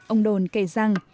ông đồn kể rằng